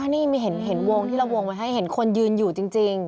นี่มีเห็นวงที่เราวงไว้ให้เห็นคนยืนอยู่จริง